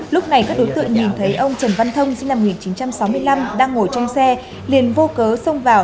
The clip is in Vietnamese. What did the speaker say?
lúc này các đối tượng nhìn thấy ông trần văn thông sinh năm một nghìn chín trăm sáu mươi năm đang ngồi trong xe liền vô cớ xông vào